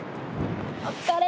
お疲れ！